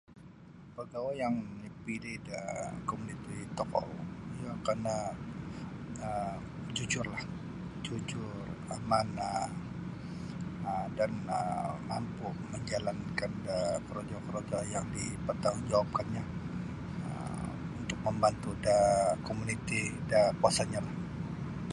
Pagawai yang dipilih da komuniti tokou iyo kana' um jujurlah jujur amanah um dan um mampu manjalankan da korojo-korojo yang dipertanggungjawabkannyo um untuk mambantu da komuniti da kawasannyolah .